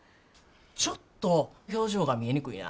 ちょっと表情が見えにくいな。